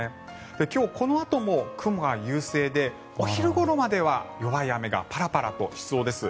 今日、このあとも雲が優勢でお昼ごろまでは弱い雨がパラパラとしそうです。